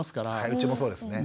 うちもそうですね。